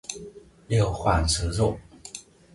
Điều khoản sử dụng